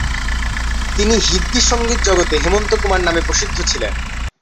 তিনি হিন্দি সংগীত জগতে হেমন্ত কুমার নামে প্রসিদ্ধ ছিলেন।